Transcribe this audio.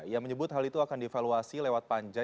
yang menyebut hal itu akan di evaluasi lewat panjang